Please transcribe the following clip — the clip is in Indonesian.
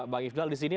bang ifdal di sini